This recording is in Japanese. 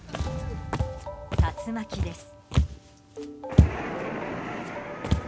竜巻です。